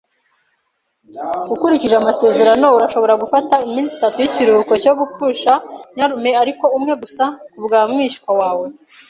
Ukurikije amasezerano urashobora gufata iminsi itatu yikiruhuko cyo gupfusha nyirarume, ariko umwe gusa kubwa mwishywa wawe.